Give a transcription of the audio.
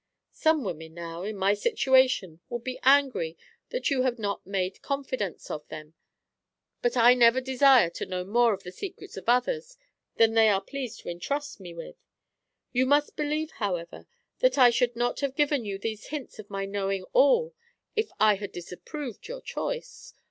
Some women now, in my situation, would be angry that you had not made confidantes of them; but I never desire to know more of the secrets of others than they are pleased to intrust me with. You must believe, however, that I should not have given you these hints of my knowing all if I had disapproved your choice.